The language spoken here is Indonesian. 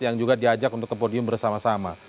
yang juga diajak untuk ke podium bersama sama